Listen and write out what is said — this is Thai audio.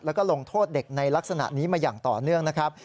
แล้วก็ลงโทษเด็กในลักษณะนี้มาอย่างต่อเนื่องนะครับ